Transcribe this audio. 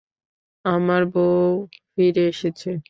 আমার বউ ফিরে এসেছে।